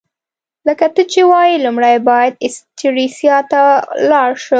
لکه ته چي وايې، لومړی باید سټریسا ته ولاړ شم.